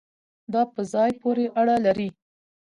دا په ځای پورې اړه لري